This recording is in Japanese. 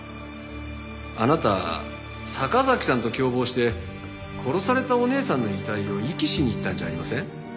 あなた坂崎さんと共謀して殺されたお姉さんの遺体を遺棄しに行ったんじゃありません？